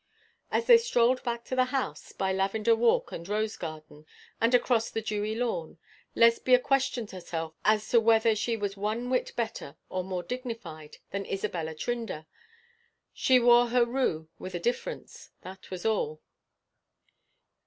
And as they strolled back to the house, by lavender walk and rose garden, and across the dewy lawn, Lesbia questioned herself as to whether she was one whit better or more dignified than Isabella Trinder. She wore her rue with a difference, that was all.